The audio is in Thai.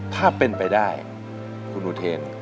ถ้าเป็นไปได้คุณอุเทน